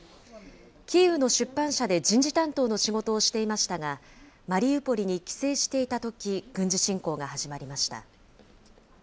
キーウの出版社で人事担当の仕事をしていましたが、マリウポリに帰省していたとき、軍事侵攻が始まりました。